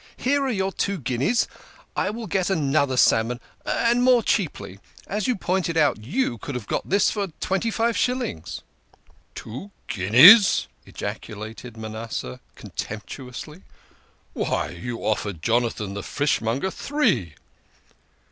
" Here are your two guineas. You will get another salmon, and more cheaply. As you pointed out, you could have got this for twenty five shillings." " Two guineas !" ejaculated Manasseh contemptuously. " Why you offered Jonathan, the fishmonger, three